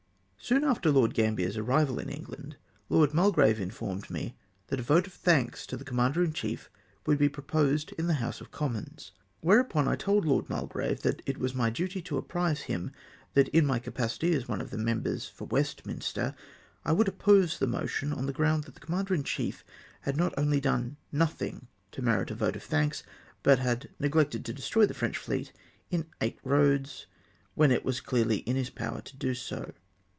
Soon after Lord Gambler's arrival in England, Lord Miilgrave informed me that a vote of thanks to the commander in chief would be proposed in the House of Commons. Whereupon I told Lord Mulgrave that it was my duty to apprise him that in my capacity as one of the members for Westminster, I would oppose the motion, on the ground that the commander in chief had not only done nothing to merit a vote of thanks, but had neglected to destroy the French fleet in Aix Eoads, when it was clearly in his power to do so.